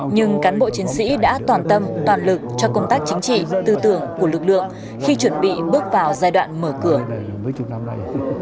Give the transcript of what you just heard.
nhưng cán bộ chiến sĩ đã toàn tâm toàn lực cho công tác chính trị tư tưởng của lực lượng khi chuẩn bị bước vào giai đoạn mở cửa